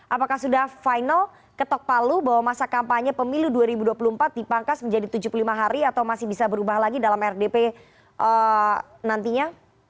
apakah sudah final ketok palu bahwa masa kampanye pemilu dua ribu dua puluh empat dipangkas menjadi tujuh puluh lima hari atau masih bisa berubah lagi dalam rdp nantinya